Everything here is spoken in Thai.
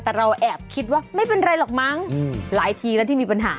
แต่เราแอบคิดว่าไม่เป็นไรหรอกมั้งหลายทีแล้วที่มีปัญหา